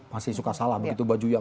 masih suka salah begitu baju yang